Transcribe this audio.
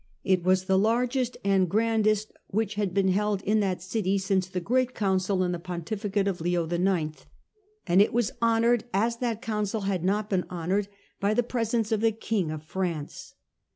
It was the largest and grandest which had been held CouncUof ^^*^^^ ^^^y since the great council in the Beims, 1119 pontificate of Leo IX., and it was honoured, as that council had not been honoured, by the presence of the king of France.